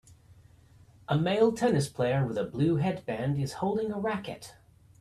a male tennis player with a blue headband is holding a racquet